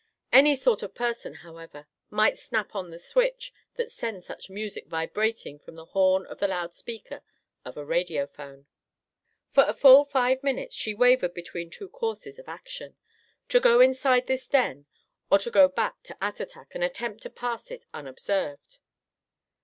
Any sort of person, however, might snap on the switch that sends such music vibrating from the horn of the loud speaker of a radiophone. For a full five minutes she wavered between two courses of action; to go on inside this den, or to go back to Attatak and attempt to pass it unobserved.